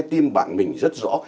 tim bạn mình rất rõ